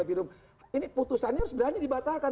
ini putusannya harus berani dibatalkan